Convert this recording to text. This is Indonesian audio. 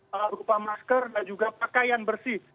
berupa masker dan juga pakaian bersih